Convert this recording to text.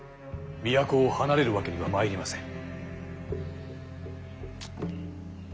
都を離れるわけにはまいりません。